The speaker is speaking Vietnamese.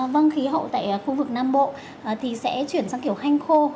vâng khí hậu tại khu vực nam bộ thì sẽ chuyển sang kiểu hanh khô